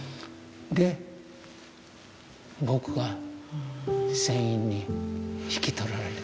で僕は船員に引き取られてたと。